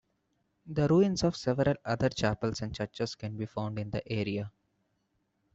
The ruins of several other chapels and churches can be found in the area.